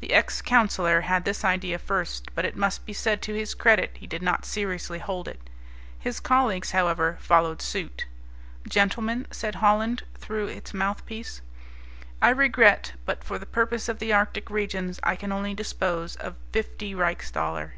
The ex counsellor had this idea first, but it must be said to his credit, he did not seriously hold it. His colleagues, however, followed suit. "Gentlemen," said Holland, through its mouthpiece, "I regret, but for the purpose of the Arctic regions I can only dispose of fifty riechsthaler."